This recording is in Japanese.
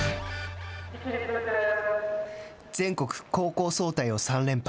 全国高校総体を３連覇。